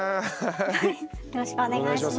よろしくお願いします。